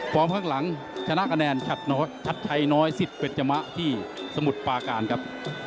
ข้างหลังชนะคะแนนชัดชัยน้อยสิทธิ์จมะที่สมุทรปาการครับ